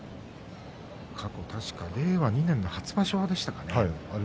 過去、令和２年の初場所でしたか